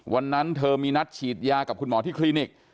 วันนั้นเธอมีนัดฉีดยากับคุณหมอที่คลินิก